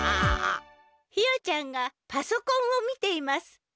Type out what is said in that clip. ひよちゃんがパソコンを見ています。